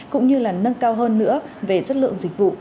cũng như là nâng cao hơn nữa về chất lượng dịch vụ